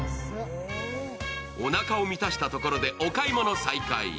おなかを満たしたところで、お買い物再開。